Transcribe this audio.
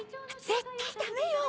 絶対ダメよ！